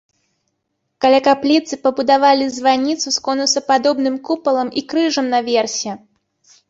Каля капліцы пабудавалі званіцу з конусападобным купалам і крыжам наверсе.